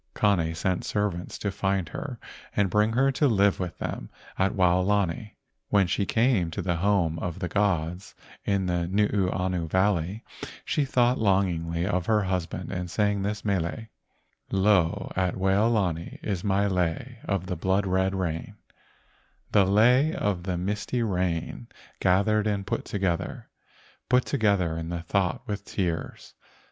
Kane sent servants to find her and bring her to live with them at Waolani. When she came to the home of the gods in Nuuanu Valley she thought longingly of her husband and sang this mele: " Lo, at Waolani is my lei of the blood red rain, The lei of the misty rain gathered and put together, Put together in my thought with tears.